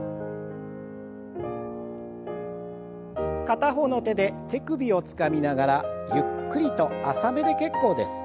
片方の手で手首をつかみながらゆっくりと浅めで結構です。